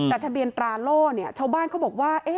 แต่ทะเบียนตราโล่ชาวบ้านเขาบอกว่า